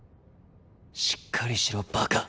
しっかりしろバカ！